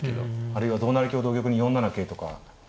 あるいは同成香同玉に４七桂とか。